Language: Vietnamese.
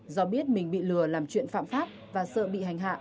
do biết mình bị lừa làm chuyện phạm pháp và sợ bị hành hạ